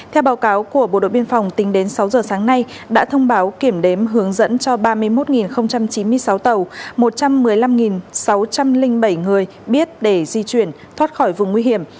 theo báo cáo của bộ đội biên phòng tính đến sáu giờ sáng nay đã thông báo kiểm đếm hướng dẫn cho ba mươi một chín mươi sáu tàu một trăm một mươi năm sáu trăm linh bảy người biết để di chuyển thoát khỏi vùng nguy hiểm